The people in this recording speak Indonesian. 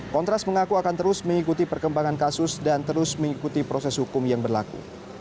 kontras mengaku akan terus mengikuti perkembangan kasus dan terus mengikuti proses hukum yang berlaku